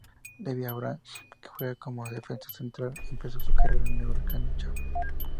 David Abraham, que juega como defensa central, empezó su carrera en Huracán de Chabás.